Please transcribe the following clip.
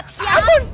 bu messi jangan jangan